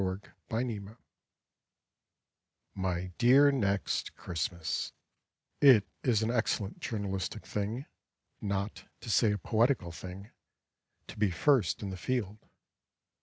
TO NEXT CHRISTMAS My dear Next Christmas, It is an excellent journalistic thing, Not to say a poetical thing, To be first in the field.